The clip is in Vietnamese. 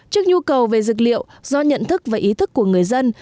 trước nhu cầu về dược liệu do nhận thức và ý thức của người dân